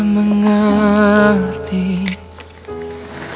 apa yang kamu mau cek